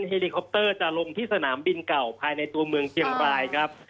เฮลิคอปเตอร์จะลงที่สนามบินเก่าภายในตัวเมืองเชียงรายครับ